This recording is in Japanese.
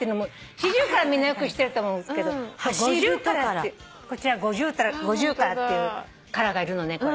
シジュウカラはみんなよく知ってると思うけどこちらゴジュウカラっていうカラがいるのね。